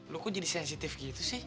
lo kok jadi sensitif gitu sih